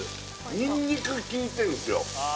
ニンニクきいてんですよ